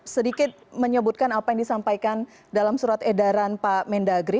sedikit menyebutkan apa yang disampaikan dalam surat edaran pak mendagri